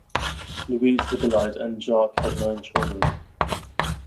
Louise Hippolyte and Jacques had nine children.